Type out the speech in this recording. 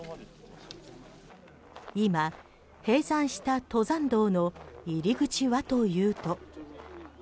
今、閉山した登山道の入口はというと。